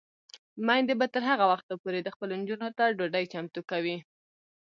میندې به تر هغه وخته پورې خپلو نجونو ته ډوډۍ چمتو کوي.